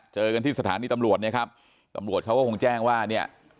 เจอกันที่สถานีตำรวจเนี่ยครับตำรวจเขาก็คงแจ้งว่าเนี่ย